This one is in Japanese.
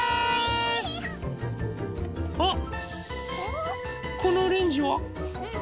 あっこのオレンジは？